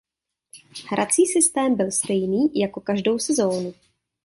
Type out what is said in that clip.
Hrací systém byl stejný jako každou sezónu.